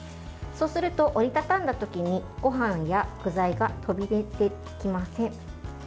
そうすると、折りたたんだ時にごはんや具材が飛び出てきません。